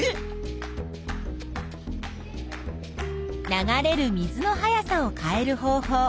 流れる水の速さを変える方法